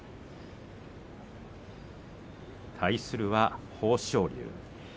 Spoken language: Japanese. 対するは豊昇龍。